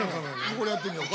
これやってみようか。